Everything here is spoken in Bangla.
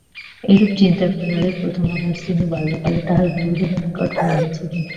এইরূপ চিন্তাপ্রণালীর প্রথম আভাস তিনি বাল্যকালে তাঁহার গুরুদেবের নিকট পাইয়াছিলেন।